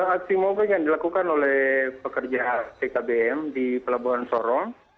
aksi mogok yang dilakukan oleh pekerja tkbm di pelabuhan sorong